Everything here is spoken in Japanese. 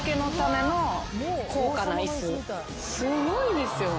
すごいですよ。